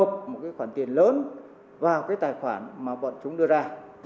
một cái khoản tiền lớn vào cái tài khoản mà bọn chúng đưa ra